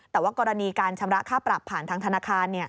แต่ว่ากรณีการชำระค่าปรับผ่านทางธนาคาร